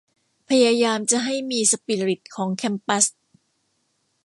พยายามจะให้มีสปิริตของแคมปัส